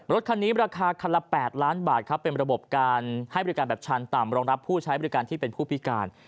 รถคันนี้ราคาคันละ๘ล้านบาทครับเป็นระบบการให้บริการแบบชันต่ำรองรับผู้ใช้บริการที่เป็นผู้พิการ